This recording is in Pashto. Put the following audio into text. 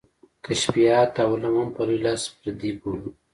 کشفیات او علوم هم په لوی لاس پردي بولو.